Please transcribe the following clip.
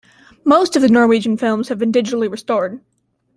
Most of the Norwegian films have been digitally restored.